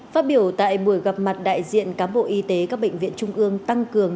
phát biểu tại buổi gặp mặt đại diện cám bộ y tế các bệnh viện trung ương tăng cường